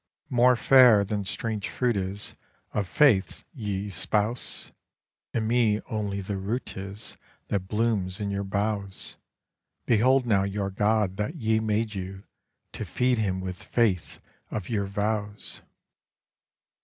More fair than strange fruit is Of faiths ye espouse; In me only the root is That blooms in your boughs; Behold now your God that ye made you, to feed him with faith of your vows.